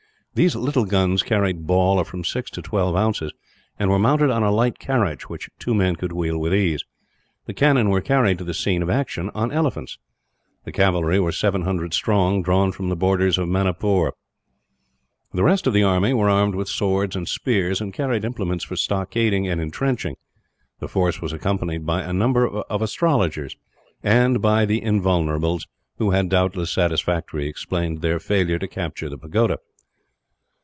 These little guns carried ball of from six to twelve ounces, and were mounted on a light carriage, which two men could wheel with ease. The cannon were carried to the scene of action on elephants. The cavalry were seven hundred strong, drawn from the borders of Manipur. The rest of the army were armed with swords and spears, and carried implements for stockading and entrenching. The force was accompanied by a number of astrologers; and by the Invulnerables who had, doubtless, satisfactorily explained their failure to capture the pagoda.